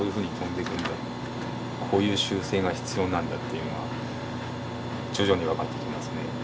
こういう修正が必要なんだっていうのは徐々に分かってきますね。